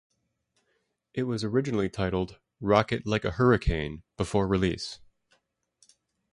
It was originally titled "Rocket Like a Hurricane" before release.